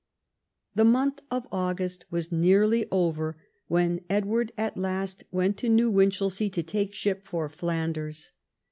The month of August was nearly over when Edward at last went to New Winch elsea to take ship for Flanders.